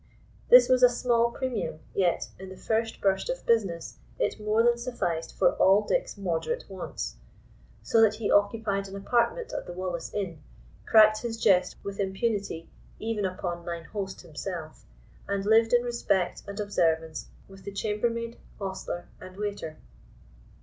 This was a small premium, yet, in the first burst of business, it more than sufficed for all Dick's moderate wants; so that he occupied an apartment at the Wallace Inn, cracked his jest with impunity even upon mine host himself, and lived in respect and observance with the chambermaid, hostler, and waiter.